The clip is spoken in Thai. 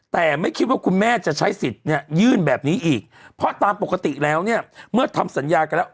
แต่ไม่คิดว่าคุณแม่จะใช้สิทธิ์เนี่ยยื่นแบบนี้อีกเพราะตามปกติแล้วเนี่ยเมื่อทำสัญญากันแล้ว